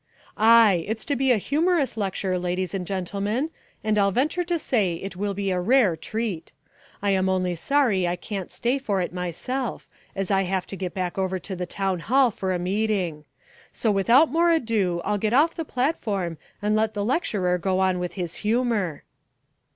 "Ay, it's to be a humorous lecture, ladies and gentlemen, and I'll venture to say it will be a rare treat. I'm only sorry I can't stay for it myself as I have to get back over to the Town Hall for a meeting. So without more ado I'll get off the platform and let the lecturer go on with his humour."